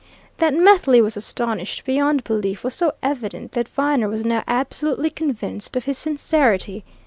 That Methley was astonished beyond belief was so evident that Viner was now absolutely convinced of his sincerity.